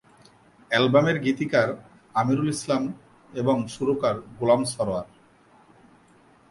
অ্যালবামের গীতিকার আমিরুল ইসলাম এবং সুরকার গোলাম সারোয়ার।